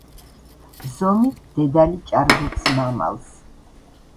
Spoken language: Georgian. ზომით დედალი ჭარბობს მამალს.